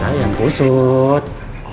baju saya yang kusut